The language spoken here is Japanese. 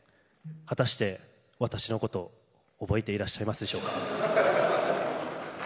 果たして私のことを覚えてらっしゃいますでしょうか。